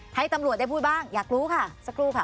ให้ตำรวจได้พูดบ้างอยากรู้ค่ะสักครู่ค่ะ